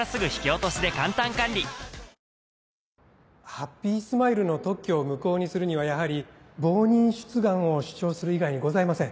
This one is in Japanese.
ハッピースマイルの特許を無効にするにはやはり冒認出願を主張する以外にございません。